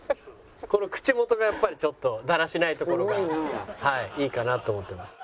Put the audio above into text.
この口元がやっぱりちょっとだらしないところがいいかなと思ってます。